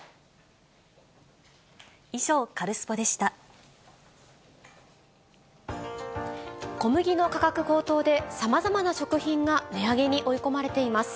以上、小麦の価格高騰で、さまざまな食品が値上げに追い込まれています。